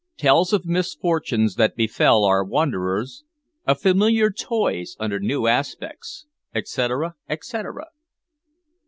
TELLS OF MISFORTUNES THAT BEFELL OUR WANDERERS; OF FAMILIAR TOYS UNDER NEW ASPECTS, ETCETERA.